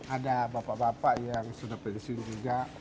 ada bapak bapak yang sudah pensiun juga